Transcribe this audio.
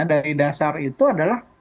dari dasar itu adalah